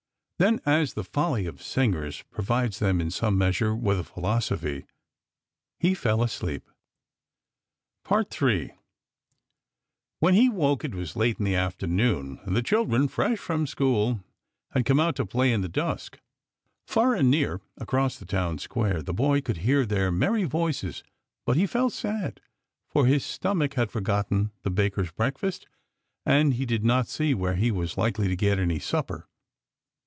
Then, as the folly of singers provides them in some measure with a philosophy, he fell asleep. Ill When he woke it was late in the afternoon, and the children, fresh from school, had come out to play in the dusk. Far and near, across the town square, the boy could hear their merry voices, but he felt sad, for his stomach had forgotten the baker's breakfast, and he did not see where he was likely to get any supper.